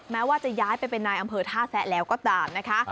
แม้ว่าจะย้ายไปเป็นนายอำเภอท่าแซะแล้วก็ตามนะคะ